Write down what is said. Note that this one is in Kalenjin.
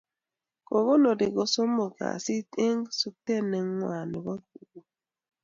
Kokonori kosomok kasit eng suktet nengwai nebo kuko